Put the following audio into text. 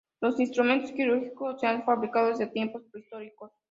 Los instrumentos quirúrgicos se han fabricado desde tiempos prehistóricos.